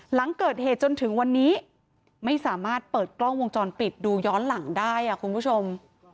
หลังเกิดเหตุจนถึงวันนี้ไม่สามารถเปิดกล้องวงจรปิดดูย้อนหลังได้คุณผู้ชม